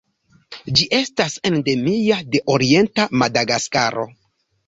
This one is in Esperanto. Ĝi estas endemia de orienta Madagaskaro.